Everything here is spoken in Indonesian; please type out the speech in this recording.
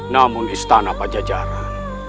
namun istana pajajaran